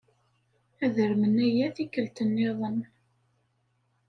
Ad armen aya tikkelt niḍen.